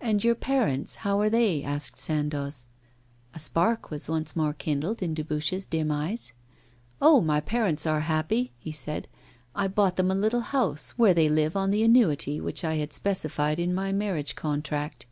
'And your parents, how are they?' asked Sandoz. A spark was once more kindled in Dubuche's dim eyes. 'Oh! my parents are happy,' he said; 'I bought them a little house, where they live on the annuity which I had specified in my marriage contract.